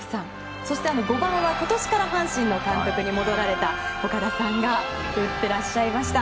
そして５番は今年から阪神の監督に戻られた岡田さんが打ってらっしゃいました。